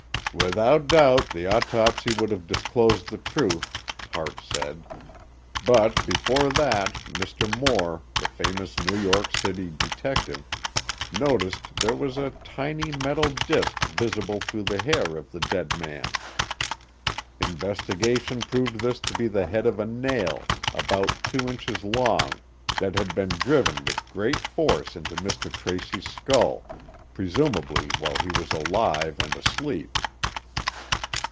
"Without doubt, the autopsy would have disclosed the truth," Hart said, "but before that, Mr. Moore, the famous New York City detective, noticed there was a tiny metal disk visible through the hair of the dead man. Investigation proved this to be the head of a nail, about two inches long, that had been driven with great force into Mr. Tracy's skull, presumably while he was alive and asleep."